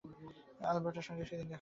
এলবার্টার সঙ্গে সেদিন দেখা হল।